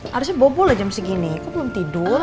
harusnya bobo loh jam segini kok belum tidur